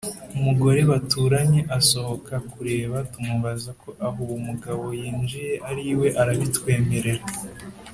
, umugore baturanye asohoka kureba tumubaza ko aho uwo mugabo yinjiye ari iwe arabitwemerera